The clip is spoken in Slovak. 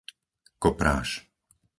Kopráš